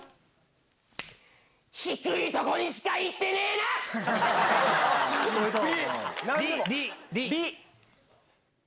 低いとこにしか行ってねえな。